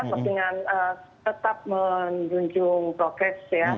kepentingan tetap menjunjung prokes ya